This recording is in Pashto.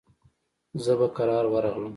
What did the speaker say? زه به کرار ورغلم.